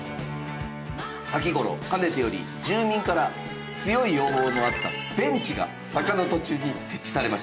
先頃かねてより住民から強い要望のあったベンチが坂の途中に設置されました。